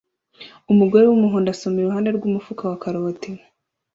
Umugore wumuhondo asoma iruhande rwumufuka wa karoti